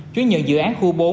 chuyển nhượng dự án khu bốn